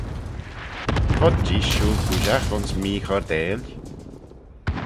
Vod jees shooyl cooidjagh ayns mee-choardail?